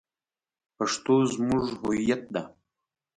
پښتو زمونږ هویت ده